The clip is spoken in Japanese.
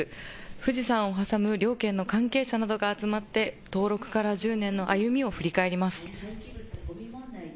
富士山を挟む両県の関係者などが集まって登録から１０年の歩みを振り返ります。